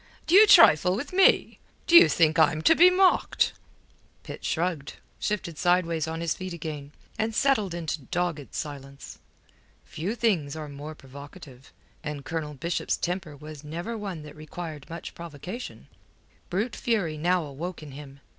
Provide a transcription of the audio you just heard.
D'you trifle with me? D'you think I'm to be mocked?" Pitt shrugged, shifted sideways on his feet again, and settled into dogged silence. Few things are more provocative; and Colonel Bishop's temper was never one that required much provocation. Brute fury now awoke in him.